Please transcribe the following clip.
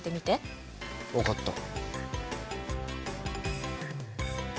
分かった。